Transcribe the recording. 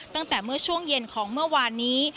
ตั้งแต่เมื่อช่วงเย็นของเมื่อวานนี้